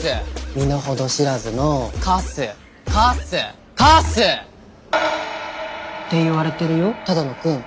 身の程知らずのカスカスカス！」って言われてるよ只野くん。